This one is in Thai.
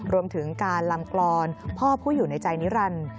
รวมถึงการลำกรอนพ่อผู้อยู่ในใจนิรันดิ์